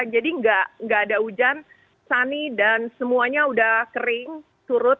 jadi enggak ada hujan sunny dan semuanya sudah kering turut